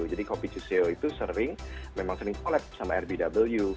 jadi kopi cusio itu sering memang sering collab sama rbw